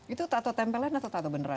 itu tattoo tempelan atau tattoo penutup